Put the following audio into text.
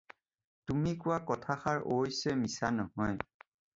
তুমি কোৱা কথাষাৰ অৱশ্যে মিছা নহয়।